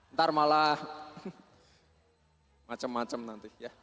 ntar malah macem macem nanti ya